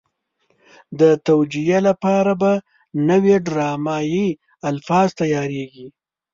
د توجیه لپاره به نوي ډرامایي الفاظ تیارېږي.